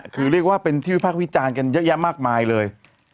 คือเรียกว่าเป็นที่วิพากษ์วิจารณ์กันเยอะแยะมากมายเลย